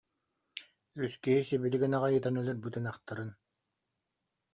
Үс киһи сибилигин аҕай ытан өлөрбүт ынахтарын